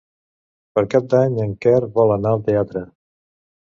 Per Cap d'Any en Quer vol anar al teatre.